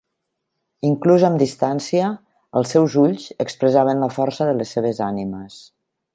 Inclús amb distància, els seus ulls expressaven la força de les seves ànimes.